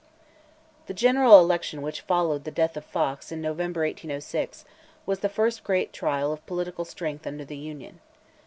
The general election which followed the death of Fox, in November, 1806, was the first great trial of political strength under the Union.